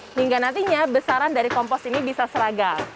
sehingga nantinya besaran dari kompos ini bisa seragam